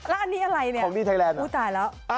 อันนี้อะไรเนี่ย